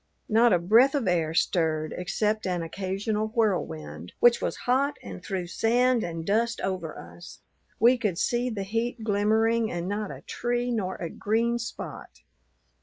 Not a breath of air stirred except an occasional whirlwind, which was hot and threw sand and dust over us. We could see the heat glimmering, and not a tree nor a green spot.